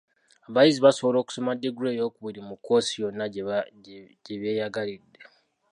Abayizi basobola okusoma ddiguli eyookubiri mu kkoosi yonna gye beeyagalidde.